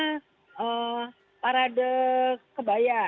mereka bikin parade kebaya